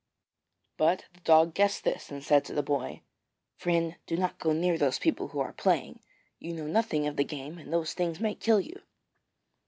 But the dog guessed this, and said to the boy: 'Friend, do not go near those people who are playing. You know nothing of the game, and those things may kill you.'